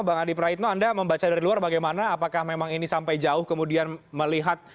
bang adi praitno anda membaca dari luar bagaimana apakah memang ini sampai jauh kemudian melihat